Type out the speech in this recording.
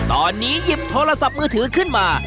ตอนนี้หยิบโทรศัพท์มือถือขึ้นมา